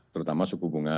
terutama suku bunga asam